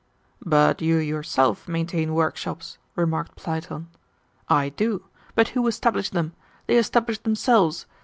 "But you yourself maintain workshops?" remarked Platon. "I do; but who established them? They established themselves.